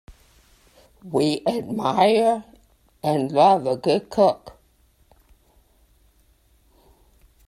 We admire and love a good cook.